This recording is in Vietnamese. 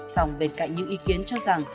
sòng bên cạnh những ý kiến cho rằng